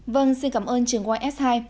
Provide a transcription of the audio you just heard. vâng xin cảm ơn trường ys hai